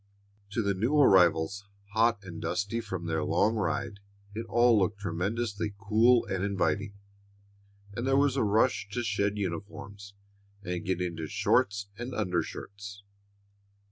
To the new arrivals, hot and dusty from their long ride, it all looked tremendously cool and inviting, and there was a rush to shed uniforms and get into shorts and undershirts.